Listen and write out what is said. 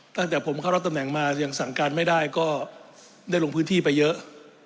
ตั้งแต่ผมเข้ารับตำแหน่งมายังสั่งการไม่ได้ก็ได้ลงพื้นที่ไปเยอะ